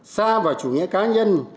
xa vào chủ nghĩa cá nhân